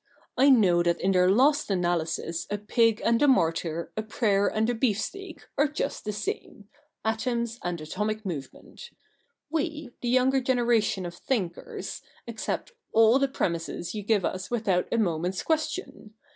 X^ I know that in their last analysis a pig and a martyr, a prayer and a beef steak, are just the same — atoms and atomic movement. ^Ve, the younger generation of thinkers, accept all the premisses you give us without a moment's question.